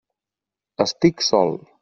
Estic sol.